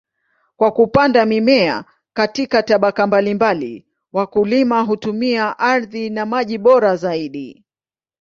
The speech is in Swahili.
Kwa kupanda mimea katika tabaka mbalimbali, wakulima hutumia ardhi na maji bora zaidi.